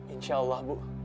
insya allah bu